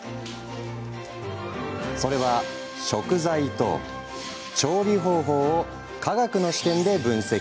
それは食材と調理方法を科学の視点で分析。